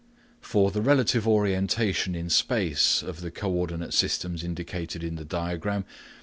For the relative orientation in space of the co ordinate systems indicated in the diagram (Fig.